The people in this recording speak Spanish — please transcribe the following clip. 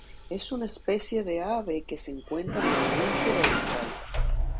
Es una especie de ave que se encuentra en el norte de Australia.